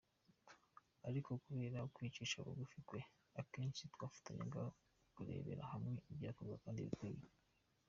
Ariko kubera kwicisha bugufi kwe, akenshi twafatanyaga kurebera hamwe ibyakorwa kandi bikwiye”.